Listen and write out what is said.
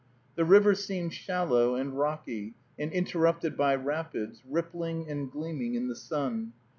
The river seemed shallow and rocky, and interrupted by rapids, rippling and gleaming in the sun.